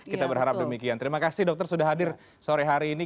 kita berharap demikian terima kasih dokter sudah hadir sore hari ini